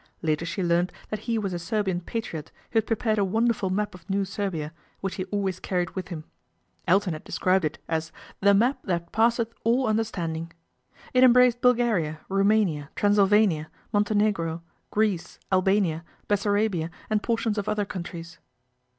Later she learned that he was a Serbian atriot, who had prepared a wonderful map of ifew Serbia, which he always carried with him. Iton had described it as " the map that passeth ill understanding." I It embraced Bulgaria, Roumania, Transyl ania, Montenegro, Greece, Albania, Bessarabia, nd portions of other countries.